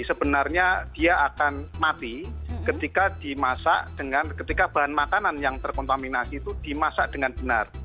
sebenarnya dia akan mati ketika dimasak dengan ketika bahan makanan yang terkontaminasi itu dimasak dengan benar